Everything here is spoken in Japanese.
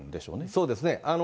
そうですね。